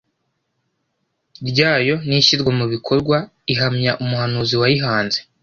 ryayo n’ishyirwa mu bikorwa, ihamya Umuhanzi wayihanze